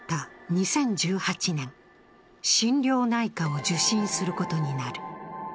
２０１８年、心療内科を受診することになる。